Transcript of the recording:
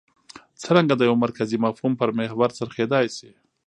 څرنګه د یوه مرکزي مفهوم پر محور څرخېدای شي.